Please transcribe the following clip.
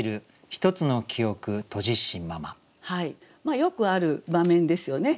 よくある場面ですよね。